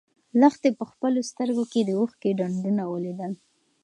لښتې په خپلو سترګو کې د اوښکو ډنډول ولیدل.